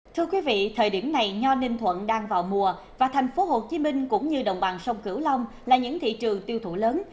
thưa quý vị thời điểm này nho ninh thuận đang vào mùa và thành phố hồ chí minh cũng như đồng bằng sông cửu long là những thị trường tiêu thụ lớn